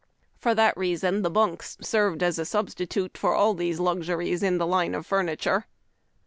For that reason the bunks served as a substitute for all these luxuries in the line of furniture.